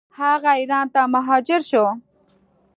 هغه ایران ته مهاجر شو.